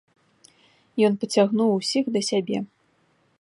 Ён пацягнуў усіх да сябе.